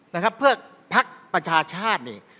นะครับเพื่อพักประชาชาตินี่